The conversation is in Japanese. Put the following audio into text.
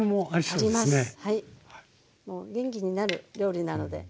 もう元気になる料理なので。